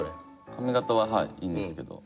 髪型ははいいいんですけど。